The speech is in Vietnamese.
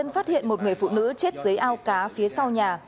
phụ nữ chết dưới ao cá phía sau nhà